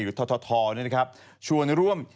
แห่งประเทศไทยอีกธทศทรเนี่ยนะครับชวนร่วม